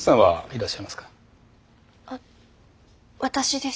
あ私です。